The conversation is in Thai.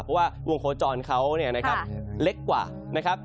เพราะว่าวงโคจรเค้าเนี้ยนะครับเล็กกว่า